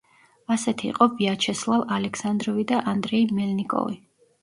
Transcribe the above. ასეთი იყო ვიაჩესლავ ალექსანდროვი და ანდრეი მელნიკოვი.